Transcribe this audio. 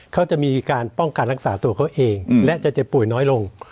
เขาจะมีการป้องกันรักษาตัวเขาเองและจะเจ็บป่วยน้อยลง